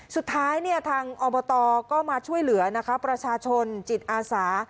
สุดท้ายทางอบตก็มาช่วยเหลือนะคะประชาชนจิตอาสา